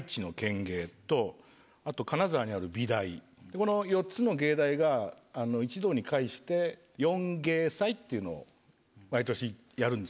この４つの芸大が一堂に会して「四芸祭」っていうのを毎年やるんです。